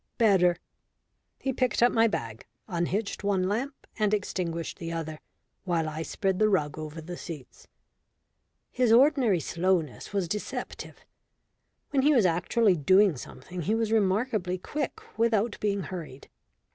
"Better." He picked up my bag, unhitched one lamp, and extinguished the other, while I spread the rug over the seats. His ordinary slowness was deceptive. When he was actually doing something he was remarkably quick without being hurried.